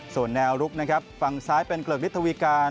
ส่วนแนวลุกฝั่งซ้ายเป็นเกลิกฤทธวิกาล